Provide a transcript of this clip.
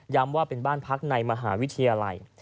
ว่าเป็นบ้านพักในมหาวิทยาลัย